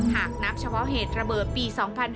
หากนับเฉพาะเหตุระเบิดปี๒๕๕๙